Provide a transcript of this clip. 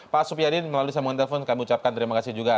pak supyadin melalui semuanya telpon kami ucapkan terima kasih juga